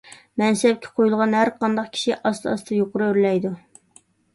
مەنسەپكە قويۇلغان ھەرقانداق كىشى ئاستا - ئاستا يۇقىرى ئۆرلەيدۇ.